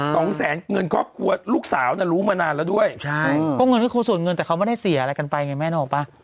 สองแสนเงินครอบครัวลูกสาวน่ะรู้มานานแล้วด้วยใช่ก็เงินก็คือส่วนเงินแต่เขาไม่ได้เสียอะไรกันไปไงแม่นึกออกป่ะ